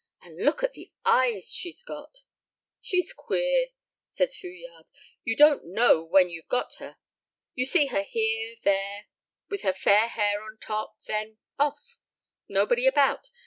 And look at the eyes she's got!" "She's queer," says Fouillade. "You don't know when you've got her. You see her here, there, with her fair hair on top, then off! Nobody about.